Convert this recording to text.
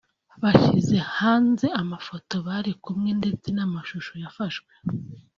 Bashyize hanze amafoto bari kumwe ndetse n’amashusho yafashwe